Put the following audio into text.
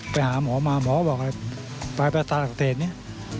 ไปหาหมอมาหมอบอกอะไรไปประสาทอักเทศนี่